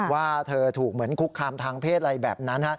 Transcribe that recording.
ว่าเธอถูกเหมือนคุกคามทางเพศอะไรแบบนั้น